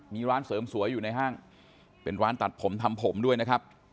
มีร้านเสริมสวยอยู่ในห้างเป็นร้านตัดผมทำผมด้วยนะครับ